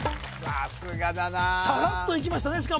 さすがだなさらっといきましたね